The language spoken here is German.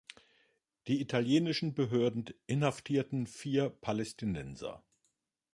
Die italienischen Behörden inhaftierten vier Palästinenser.